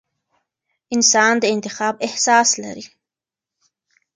انسان د انتخاب احساس لري.